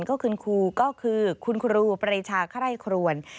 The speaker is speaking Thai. ก็คือคุณครูก็คือคุณครูปรีชาไคร่ครวน